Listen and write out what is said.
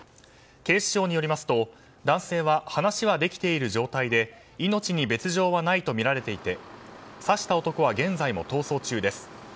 警視庁によりますと、男性は話はできている状態で命に別条はないとみられていて刺した男は現在も逃走中です。